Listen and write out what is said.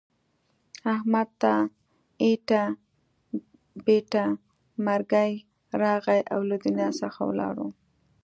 احمد ته ایټه بیټه مرگی راغی او له دنیا څخه ولاړو.